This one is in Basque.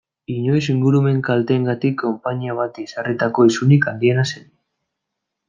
Inoiz ingurumen kalteengatik konpainia bati ezarritako isunik handiena zen.